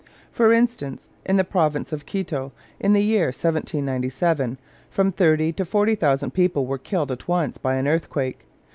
For instance, in the province of Quito, in the year 1797, from thirty to forty thousand people were killed at once by an earthquake.